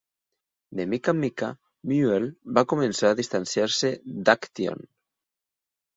De mica en mica, Muehl va començar a distanciar-se d""Aktion".